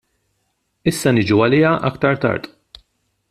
Issa niġu għaliha aktar tard.